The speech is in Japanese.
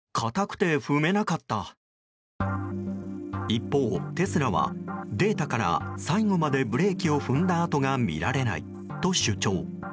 一方、テスラはデータから最後までブレーキを踏んだ跡が見られないと主張。